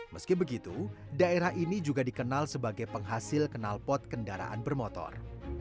meski begitu daerah ini juga dikenal sebagai penghasil kenalpot kendaraan bermotor